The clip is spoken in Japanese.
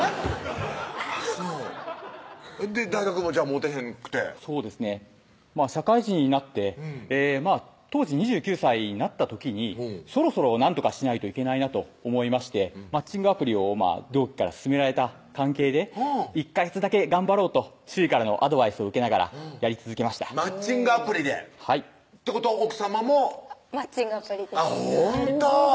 あぁそう大学もモテへんくてそうですね社会人になって当時２９歳になった時にそろそろなんとかしないといけないなと思いましてマッチングアプリを同期から勧められた関係で１ヵ月だけ頑張ろうと周囲からのアドバイスを受けながらやり続けましたマッチングアプリでってことは奥さまもマッチングアプリですほんと！